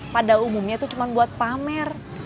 pada umumnya itu cuma buat pamer